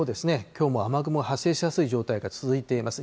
きょうも雨雲、発生しやすい状態が続いています。